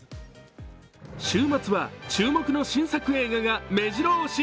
週末は、注目の新作映画がめじろ押し。